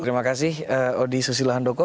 terima kasih odi susilo handoko